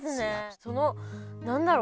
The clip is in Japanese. その何だろう？